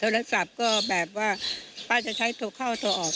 โทรศัพท์ก็แบบว่าป้าจะใช้โทรเข้าโทรออก